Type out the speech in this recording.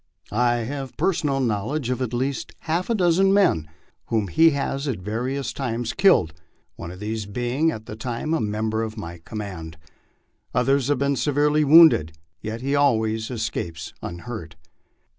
I have a per sonal knowledge of at least half a dozen men whom he has at various times killed, one of these being at the time a member of my command. Others have been severely wounded, yet he always escapes unhurt.